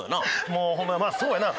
もうホンマに「そうやな」